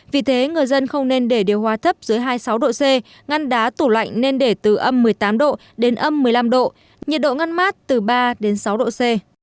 vì thế người dân không nên để điều hòa thấp dưới hai mươi sáu độ c ngăn đá tủ lạnh nên để từ âm một mươi tám độ đến âm một mươi năm độ nhiệt độ ngăn mát từ ba đến sáu độ c